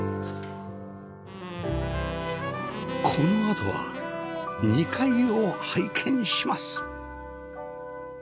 このあとは２階を拝見します